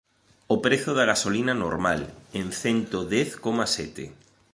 O prezo da gasolina normal, en cento dez coma sete.